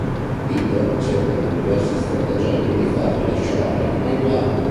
Peter cerca con diversi stratagemmi di farli lasciare, ma invano.